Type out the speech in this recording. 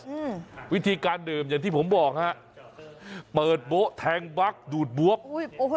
อืมวิธีการดื่มอย่างที่ผมบอกฮะเปิดโบ๊ะแทงบั๊กดูดบวกอุ้ยโอ้โห